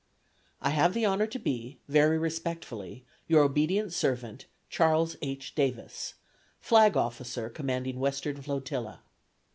I have the honor to be, very respectfully your obedient servant, CHARLES H. DAVIS, Flag Officer Commanding Western Flotilla.